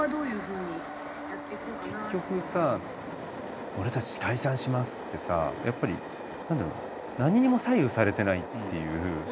結局さ「俺たち解散します」ってさやっぱり何だろう何にも左右されてないっていう。